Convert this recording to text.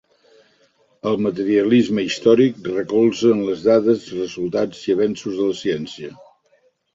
El materialisme històric recolza en les dades, resultats i avenços de la ciència.